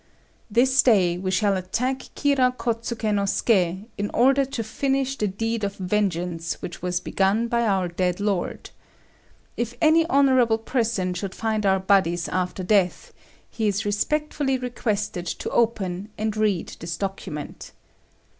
This day we shall attack Kira Kôtsuké no Suké, in order to finish the deed of vengeance which was begun by our dead lord. If any honourable person should find our bodies after death, he is respectfully requested to open and read this document.